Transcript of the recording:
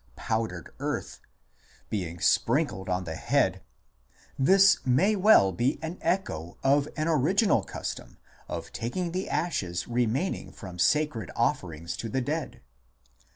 powdered earth) being sprinkled on the head, this may well be an echo of an original custom of taking the ashes remaining from sacred offerings to the dead (cp.